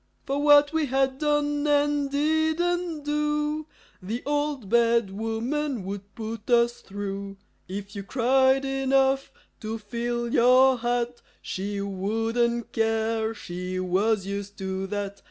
For what we had done and didn't do The Old Bad Woman would put us through. If you cried enough to fill your hat, She wouldn't care; she was used to that.